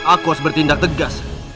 aku harus bertindak tegas